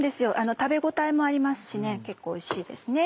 食べ応えもありますし結構おいしいですね。